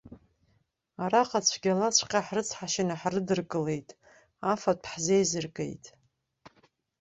Араҟа цәгьалаҵәҟьа ҳрыцҳашьаны ҳрыдыркылеит, афатә ҳзеизыргеит.